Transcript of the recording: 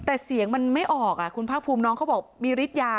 แต่เสียงมันไม่ออกคุณภาคภูมิน้องเขาบอกมีฤทธิยา